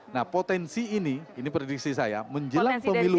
nah potensi ini ini prediksi saya menjelang pemilu dua ribu dua puluh empat